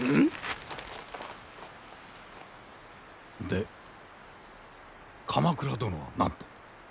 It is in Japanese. で鎌倉殿は何と？